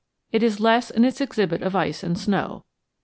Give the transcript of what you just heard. It is less in its exhibit of ice and snow.